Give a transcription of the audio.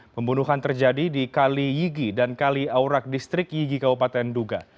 pembunuhan terjadi di kali yigi dan kali aurak distrik yigi kabupaten duga